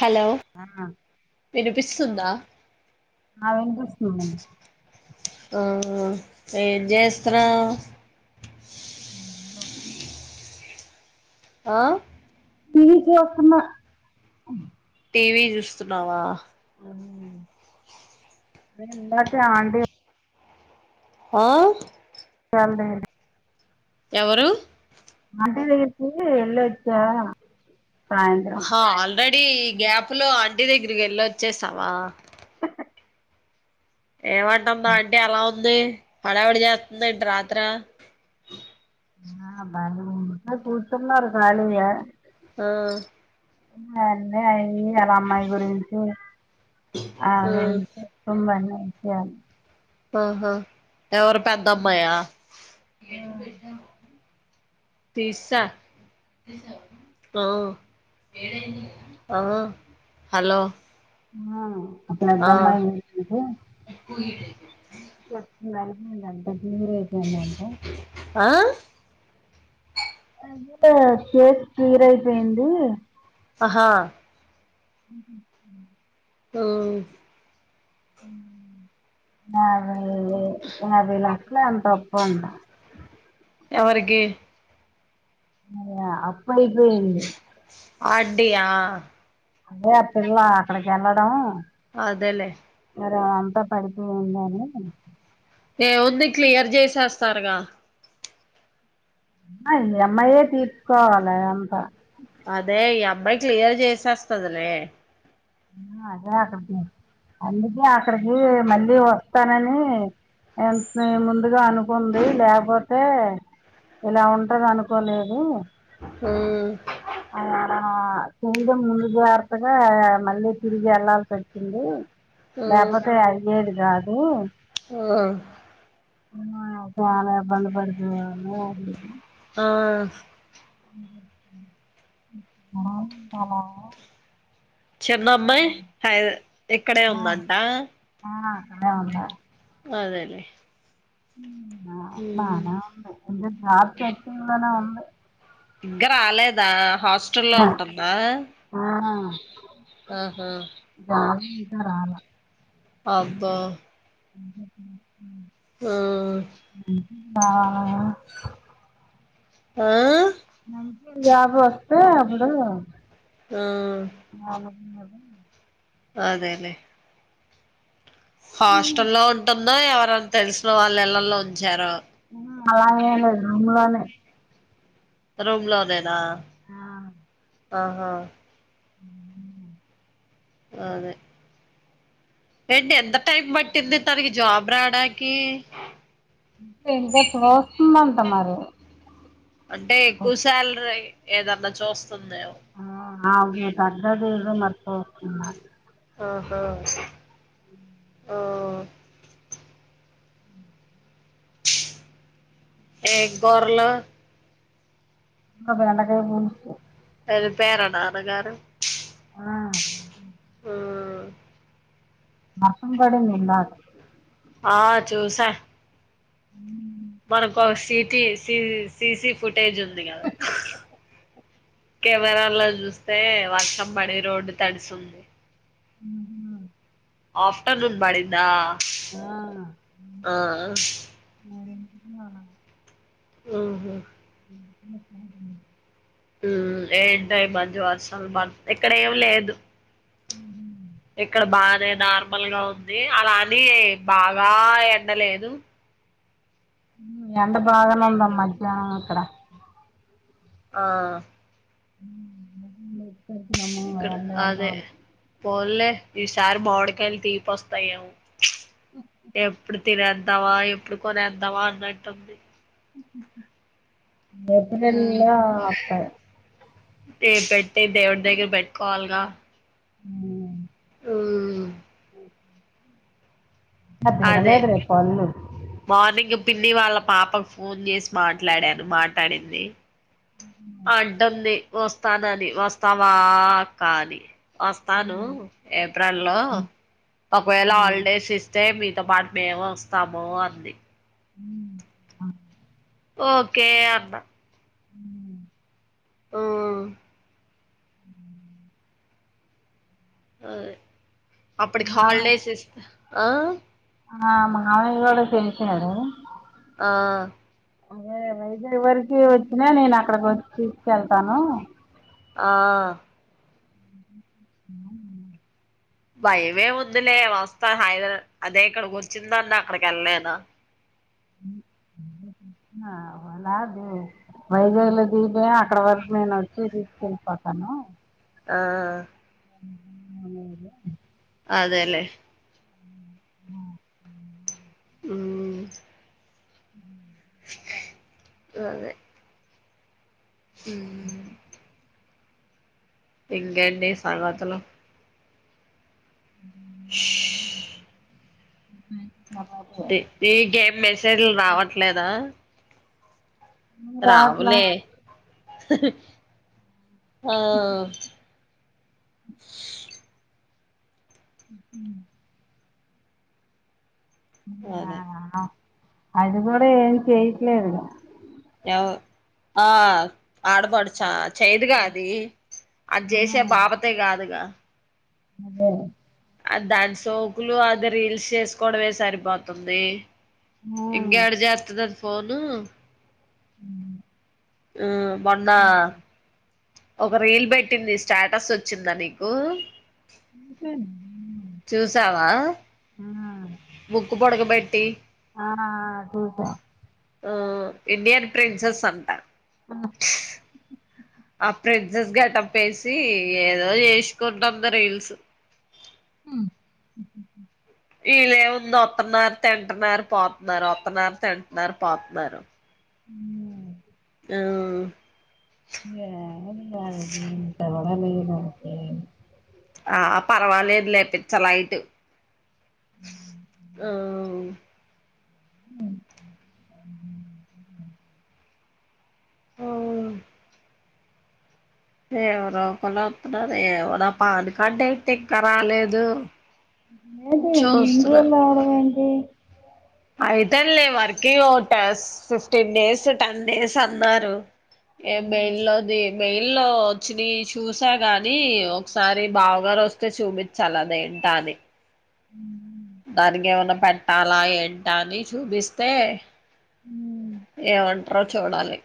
Hello వినిపిస్సుందా అ వినిపిస్తుంది ఆ ఎంజేస్తునావ్ బ ఆ టీ వి చొస్తున్న టీవీ జుస్తున్నవా మ ఎస ఆన్టి ఆ అదె ఎవరూ అంట ఎళ్ళ ఒచ్చా ఆహా ఆల్రెడీ గ్యాప్ లో ఆంటిీ దగ్గరికి ఏల్లోచ్చేసావా [inaudible] ఏమంటుందా ఆంటి అలా ఉంది హడావుడి చేస్తుందెంటి రాత్ర ఆ బా కూర్చున్నారు కాలిగా ఆ అన్నీ అయి అల్ల అమ్మాయి గురించి అ ఆ గురించి చ ఆహా ఎవరు పెద్దమ్మాయ తీస్సా ఆ ఆ హలో ఆ ఆ పెద్దమ్మాయి గురించి చ్పతున్నరు అ అంట తీరు వంద అంట ఆ అంత కేస్ క్లియర్ ఐపోయింది అహా ఉహు ఓ ఆ ఏభై లక్షలో ఎంతో అప్పంట ఎవరికీ ఇగ అప్పైపోయింది అడ్డియా అదె ఆ పిల్లా అక్కడికి ఎళ్ళడం అదెలేే ర అంతా పడిపోయిందని ఏముంది క్లియర్ జేసేస్తారుగ అమ్ ఈ అమ్మాయే తీర్చుకోవాలె అంతా అదే ఈ అబ్బాయి క్లియర్ జేసేస్తదిలే అదే అక్కడికి అందుకే అక్కడికి మళ్ళీ వస్తానని ఎంత ముందుగా అనుకుంది లేకపోతే ఇలా ఉంటది అనుకోలేదు మ్మ్ హ్ ఆ కొంచం ముందు జాగ్రత్తగా మళ్ళీ తిరిగి వెళ్లాల్సి వచ్చింది లేకపోతే అయ్యేది కాదు హా ఆ చాలా ఇబ్బంది పడతుంది అ ఆ అ హలో చిన్నమ్మాయి హై ఇక్కడే ఉందంట ఆ ఆ అక్కడే ఉండా పదండి ఆ బానే ఉన్నది హాస్పిటల్ లోనే ఉంది ఇంకా రాలేదా హాస్టల్లో ఆ ఉంటుందా ఆ, ఆహా రాల అబ్బా అక మ్మ్ హ్హ్ బాగా ఆ ఆహ్ జాబు వస్తే అప్పుడు మ్మ్ హ్ ఆలోచించాలి. అదేలేే హాస్టల్ల్లో ఉంటుందా ఎవరైనా తెలిసిన వాళ్ళ ఇండ్లల్లో ఉంచార అలాగే అందులోనే రూమ్ లో నేనా ఆ ఆహా అదే ఏంటి ఎంత టైం పట్టింది తనకి జాబ్ రావడానికి ఇంకా చూస్తుందంట మరి అంటే ఎక్కువ శాలరీ ఏదన్నా చూస్త ఆ అ అవును దగ్గరకే చూడు మరి ఆహా అ ఆ ఏం కూరలు బెండకాయ పులుసు వెళ్ళిపోయేరా నాన్న గారు ఆ ఆ వర్షం పడింది ఇందాక ఆ చూసాను ఉ మనకు సిటి సిసి ఫుటేజ్ ఉంది కదా కెమెరా లో చూస్తే వర్షం పడి రోడ్డు తడుస్తుంది ఉమ్ ఆఫ్టర్నూన్ పడిందా ఆ ఆ ఆ ఉహు ఏంటై మంచి వర్షం పడ్, ఇక్కడ ఏం లేదు. ఉహు ఇక్కడ బానే నార్మల్ గా ఉంది, అలాని బాగా ఎండలేదు ఎండ బాగానే ఉందమ్మ మధ్యాహ్నం ఇక్కడ ఆ [inaudible] ఇక్కడ ఎండ ఎండ అదే పోల్లే ఈసారి మామిడికాయలు తీపి వస్తాయేమో, ప్చ్ ఎప్పుడు తినే తవా ఎప్పుడు కొనేద్దమా అన్నట్టుంది. [unintelligible] గుడ అత్తనై దే పెట్టయితే దేవుడి దగ్గర పెట్టుకోవలిగా ఉమ్ ఉమ్ ఇంకా అదే దిగలేదు రేపు పళ్ళు మార్నింగ్ పిన్ని వాళ్ళ పాపకు ఫోన్ చేసి మాట్లాడాను మాట్లాడింది. అంటంది వస్తానని, వస్తావా కానీ వస్తాను ఏప్రిల్ లో, ఒకవేళ హాలిడేస్ ఇస్తే మీక్ తో పాటు మేము వస్తాము అంది. ఉమ్ ఆ ఓకే అన్నా. ఉమ్ ఉమ్ ఆ అప్పటికి మావ హాలిడేస్ ఇస్తా ఆ ఆ మాహాను గుడ పిల్చారు. ఆ అదే వైజాగ్ వరికి వచ్చినా నేను అక్కడకొచ్చి తీసుకెళ్తాను. ఆ భయమే ఉందిలే వస్తా హైదరా అదే ఇక్కడ గొచ్చిందన్న అక్కడికి ఎళ్ళలేన. అలాది వైజాగ్లో దిగిపోయి అక్కడ వరకు నేను వచ్చి తీసుకెళ్ళిపోతాను. ఆ అనేది అదేలేే అ ఉమ్ అదే ఉమ్ ఇంకేంటి సంగతులు ష్ అ ది గేమ్ మెసేజ్లు రావట్లేదా? నువ్వు రావట్లా రావులే ఆ ఉమ్ అదే అది కూడా ఏం చేయట్లేదు. ఎ ఆ ఆడపడుచా చేయదుగా అది అద్ చేసే బాపతే కాదుగా నువ్వే అద్ దాన్ సోకులు అది రీల్స్ చేస్కోడమే సరిపోతుంది. ఇంకేడ జేత్తదది ఫోను మ్ మొన్నా ఒక రీల్ పెట్టింది స్టేటస్ వచ్చిందా నీకు చూసావా ము ముక్కు పుడకపెట్టి ఆ చూసా ఆ ఇండియన్ ప్రిన్సెస్ అంట. ఆ ప్రిన్సెస్ గెటప్పేసి ఏదో చేస్కుంటుంది రీల్స్ హ్ ఈల్లేముంది ఒత్తున్నార్, తింటున్నార్, పోతున్నార్, ఒత్తనార్, తింటున్నార్, పోతున్నారు. మ్ ఆ ఏ [unintelligible] ఆ పర్వాలేదులె పిచ్చ లైట్ ఆ హ ఏమో రపలు అతున్నారు ఏమో నా పాన్ కార్డ్ అయితే ఇంకా రాలేదు. ఏంటి ఇంకా [unintelligible] అయితంలే వర్కి ఓటస్ ఫిఫ్టీన్ డేస్ టెన్ డేస్ అన్నారు. ఏం మెన్లోది మెయిల్లో వచ్చినై చూసా గాని ఒకసారి బావగారు వస్తే చూపించాల అదేం టాని అ దానికేమన్న పెట్టాలా ఏంట అని చూపిస్తే ఉ ఏమంటరో చూడాలి.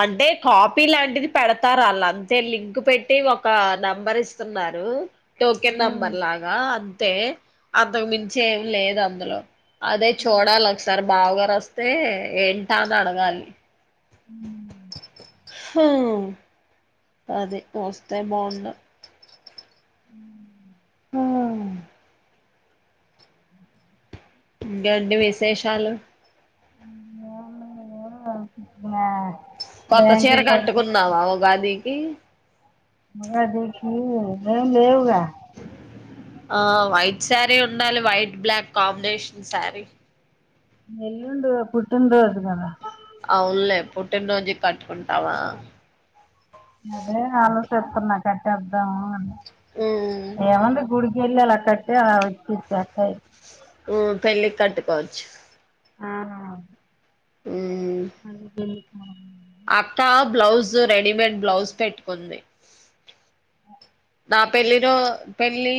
అంటే కాపీ లాంటిది పెడతారాళ్ళంతే లింక్ పెట్టి ఒక నెంబర్ ఇస్తున్నారు. టోకెన్ నెంబర్లాగా అంతే అంతకు మించి ఏం లేదు అందులో అదే చూడాల్ ఒకసార్ బావుగారు వస్తే ఏంట అని అడగాలి. హ్ హ అదే వస్తే బాగుండ ఉ ఇంకేంటి విశేషాలు ఏమి లేదు కొత్త చీర కట్టుకున్నావా ఉగాదికి ఉగాదికి ఏం లేవుగా ఆ వైట్ సారి ఉండాలి వైట్ బ్లాక్ కోంబినేషన్ సారి ఎల్లుండు పుట్టిన రోజు కదా అవున్లే పుట్టిన్ రోజుక్ కట్టుకుంటావా అదే ఆలోచిస్తున్న కట్టేద్దాము అని హ్మ్. ఏముంది గుడి యెల్లెల కట్టే అలా [unintelligible] ఉ పెళ్లికి కట్కోవచ్చు అవును మ్మ్ అది బెల్లికో అక్క బ్లౌజు రెడీమేడ్ బ్లౌజ్ పెట్టుకుంది నా పెళ్ళిలో పెళ్ళి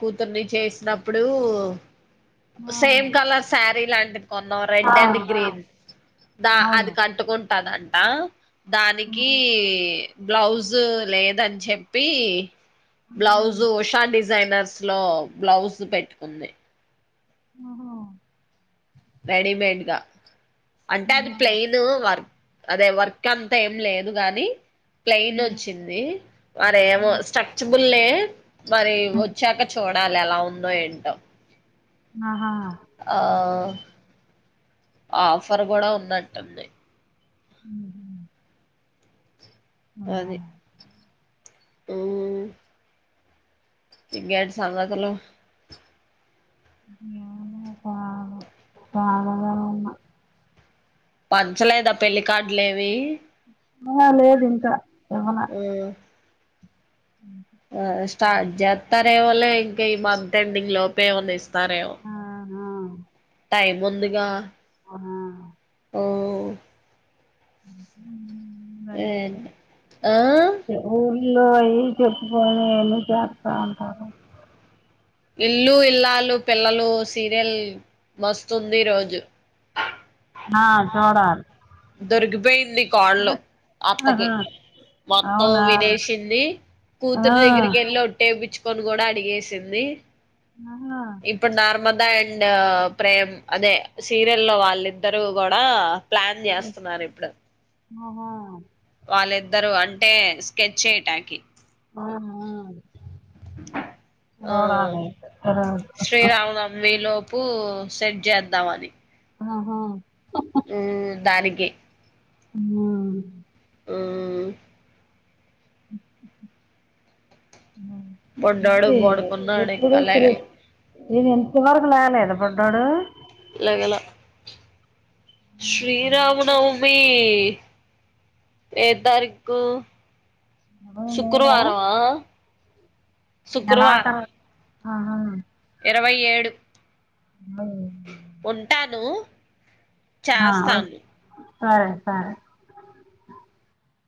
కూతుర్ని చేసినప్పుడు సేమ్ కలర్ సారీ లాం కొన్నం రెడ్ అండ్ గ్రీన్ దా అది అవును కట్టుకుంటదంట దానికి బ్లౌజ్ లేదని చెప్పి బ్లౌజు ఉషా డిజైనర్స్ లో బ్లౌజు పెట్టుకుంది రెడీమేడ్గా అంటే అది ప్లెయిన్ వారి అదే వర్క్ అంతా ఏం లేదు గాని ప్లెయిన్ వచ్చింది వారేమో స్ట్రక్చ బుల్ ల్లే మరి వచ్చాక చూడాలే ఎలా ఉందో ఏంటో ఆహా ఆ ఆఫర్ కూడా ఉన్నట్టుంది ఉహు అది ఆ ఇంకేంటి సంగతులు ఇంకా రావు కలిగానే ఉన్న పంచలేదా పెళ్లికార్డులేవి ఆ హా లేదు ఇంకా ఇవ్వలా ఆ స్టార్ట్ జేత్తరేమో లే ఇంకా ఈ మంత్ ఎండింగ్ లోపు ఏమనా ఇస్తారేమో ఆ టైం ఉందిగా ఆ ఓ ఏంటి ఆ మూవీ లోయీ చెప్పుపోని అని చేస్తా అంటారు ఇల్లు ఇల్లాలు పిల్లలు సీరియల్ మస్తుంది ఈ రోజు ఆ ఆ చూడాలి దొరికిపోయింది కాల్ లో అత్తకి ఆహా మొత్తం అవునా వినేషింది ఆ కూతురు దగ్గరికేళ్ళి ఒట్టేపీచు కోని కూడా అడిగేసింది ఆహా ఇప్పుడు నార్మల్ అండ్ ప్రేమ్ అదే సీరియల్ లో వాళ్ళిద్దరు కూడా ప్లాన్ చేస్ స్తరు ఇప్పుడు ఆహా వాళ్ళిద్దరు అంటే స్కెచే టాకీ అవునా ఆ గోవాలే కదా కు సెట్ చేద్దామని ఆహా ఉ దానికి హు అండి ఆ అ పడ్డాడు నువ్వే పడుకున్నాడు ఎప్పుడు ఇంకా చూస్తే లేగలే లెప్ ఇదేంది చివరకు రాలేదా బుడ్డోడు లేగల లేచాడండి శ్రీరామనవమి ఏ త్తారీక్కు ఇరవై మూడా శుక్రవారం ఆ నెలాఖరు శుక్రవారమా ఆహా ఇరవై ఏడు ఆ ఉంటాను ఆ చేస్తాను. సరే సరే